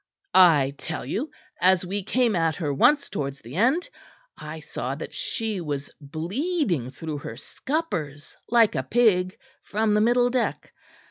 I tell you, as we came at her once towards the end, I saw that she was bleeding through her scuppers like a pig, from the middle deck.